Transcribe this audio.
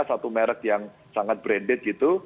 satu merek yang sangat branded gitu